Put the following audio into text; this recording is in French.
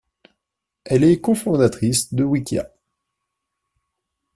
Elle est cofondatrice de Wikia.